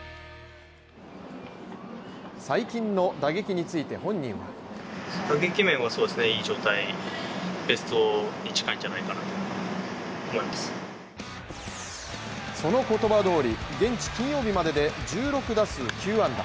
最近の打撃について本人はその言葉どおり現地金曜日までで１６打数９安打。